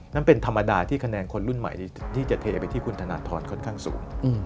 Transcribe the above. นั่นเป็นธรรมดาที่คะแนนคนรุ่นใหม่ที่จะเทไปที่คุณธนทรค่อนข้างสูง